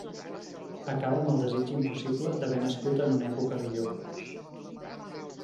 Acaba amb el desig impossible d'haver nascut en una època millor.